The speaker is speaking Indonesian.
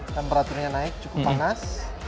temperatur nya naik cukup panas